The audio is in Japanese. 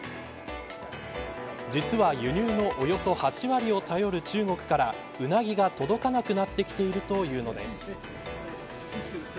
実は輸入のおよそ８割を頼る中国からウナギが届かなくなってきているというのです。